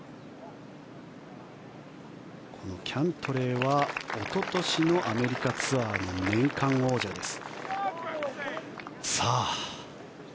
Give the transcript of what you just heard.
このキャントレーはおととしのアメリカツアーの年間王者です。